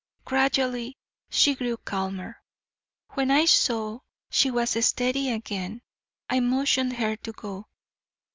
Gradually she grew calmer. When I saw she was steady again, I motioned her to go.